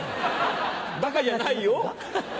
バカじゃないよ。